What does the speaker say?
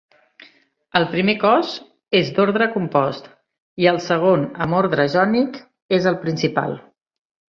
El primer cos és d'ordre compost i el segon amb ordre jònic és el principal.